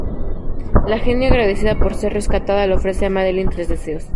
La genio, agradecida por ser rescatada, le ofrece a Madeline tres deseos.